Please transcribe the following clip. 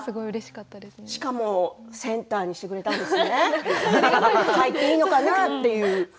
しかもセンターに来てくださったんですね。